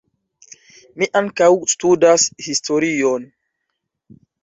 Mi ankaŭ studas historion.